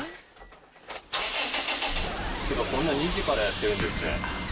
こんな２時からやってるんですね。